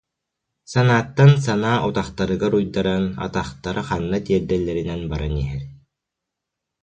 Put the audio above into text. Санааттан санаа утахтарыгар уйдаран атахтара ханна тиэрдэллэринэн баран иһэр